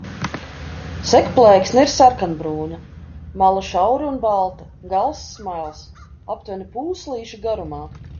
Segplēksne ir sarkanbrūna, mala šaura un balta, gals smails, aptuveni pūslīša garumā.